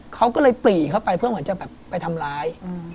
เขาก็เลยปรีเข้าไปเพื่อเหมือนจะแบบไปทำร้าย